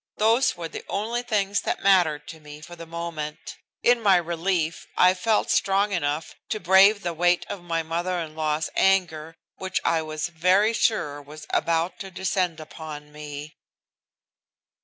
Those were the only things that mattered to me for the moment. In my relief I felt strong enough to brave the weight of my mother in law's anger, which I was very sure was about to descend upon me.